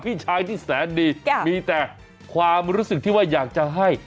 พี่ชายที่แสนดีมีแต่ความรู้สึกที่ว่าอยากจะให้